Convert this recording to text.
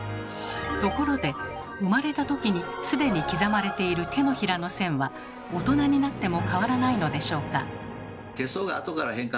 ところで生まれた時にすでに刻まれている手のひらの線は大人になっても変わらないのでしょうか？